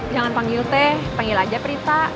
jangan panggil teh panggil aja prita